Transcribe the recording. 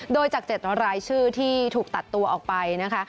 โดยจาก๗รายชื่อที่ถูกตัดตัวออกไปนะคะ